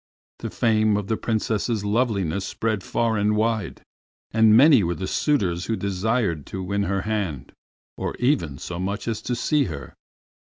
The fame of the Princess's loveliness spread far and wide, and many were the suitors who desired to win her hand, or even so much as to see her.